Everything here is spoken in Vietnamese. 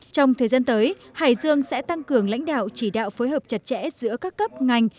trong thời gian tới hải dương sẽ tăng cường lãnh đạo chỉ đạo phối hợp chặt chẽ giữa các cấp ngành